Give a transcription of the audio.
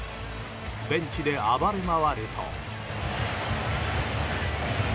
ベンチで暴れ回ると。